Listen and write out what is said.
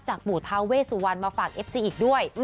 ปู่ทาเวสุวรรณมาฝากเอฟซีอีกด้วย